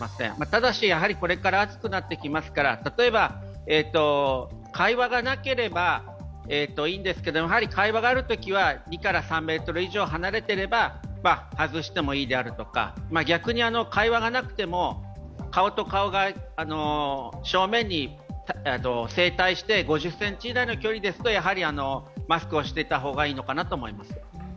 ただし、これから暑くなってきますから、例えば、会話がなければいいんですけど、会話があるときは２３ｍ以上、離れていれば外してもいいであるとか、逆に会話がなくても顔と顔が正面に正対して５０ｃｍ以内の距離ですとマスクをしていた方がいいのかなと思います。